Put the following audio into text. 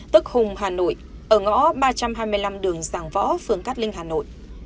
tức hùng hà nội ở ngõ ba trăm hai mươi năm đường giàng võ phường cát linh hà nội